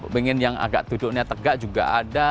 pengen yang agak duduknya tegak juga ada